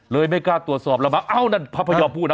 ไม่กล้าตรวจสอบแล้วมั้งเอ้านั่นพระพยอมพูดนะ